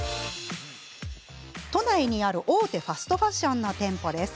都内にある大手ファストファッションの店舗。